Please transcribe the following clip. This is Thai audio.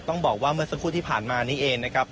ต้องบอกว่าเมื่อสักครู่ที่ผ่านมานี้เองนะครับ